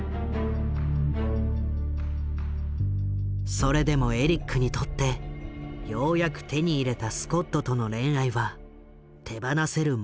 それでもエリックにとってようやく手に入れたスコットとの恋愛は手放せるものではなかった。